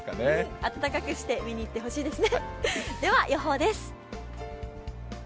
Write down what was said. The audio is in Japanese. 暖かくして見に行ってほしいですね。